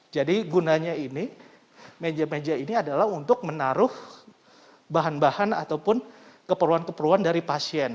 jadi gunanya ini meja meja ini adalah untuk menaruh bahan bahan ataupun keperluan keperluan dari pasien